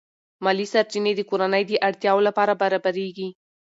مالی سرچینې د کورنۍ د اړتیاوو لپاره برابرېږي.